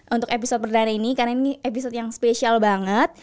untuk episode perdana ini karena ini episode yang spesial banget